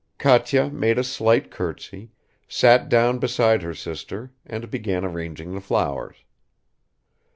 Katya made a slight curtsey, sat down beside her sister and began arranging the flowers.